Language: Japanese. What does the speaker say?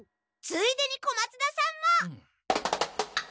ついでに小松田さんも！